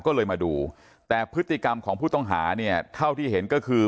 ก็เลยมาดูแต่พฤติกรรมของผู้ต้องหาเนี่ยเท่าที่เห็นก็คือ